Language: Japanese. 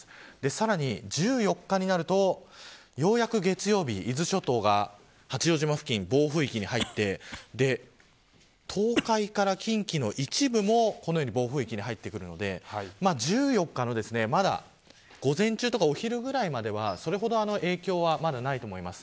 さらに１４日になるとようやく月曜日、伊豆諸島が八丈島付近、暴風域に入って東海から近畿の一部もこのように暴風域に入ってくるので１４日のまだ午前中とかお昼ぐらいまではそれほど影響はないと思います。